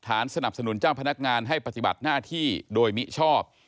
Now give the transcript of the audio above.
สนับสนุนเจ้าพนักงานให้ปฏิบัติหน้าที่โดยมิชอบ